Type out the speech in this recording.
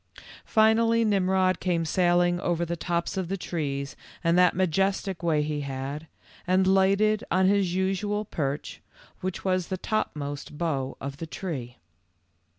Finally Nimrod came sailing over the tops of the trees in that majestic way he had, and lighted on his usual perch, which was the top most bough of the tree.